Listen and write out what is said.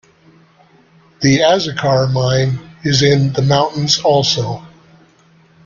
The Azucar Mine is in the mountains also.